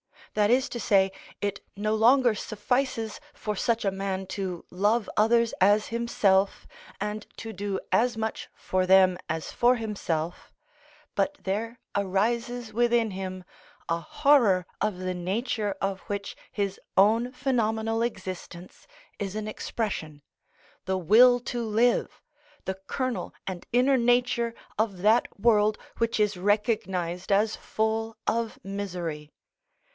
That is to say, it no longer suffices for such a man to love others as himself, and to do as much for them as for himself; but there arises within him a horror of the nature of which his own phenomenal existence is an expression, the will to live, the kernel and inner nature of that world which is recognised as full of misery.